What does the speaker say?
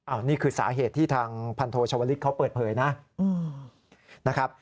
อ้าวนี่คือสาเหตุที่ทางพันโทชวลิกเขาเปิดเผยนะ